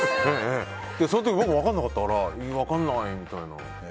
その時僕、分からなかったから分からないって。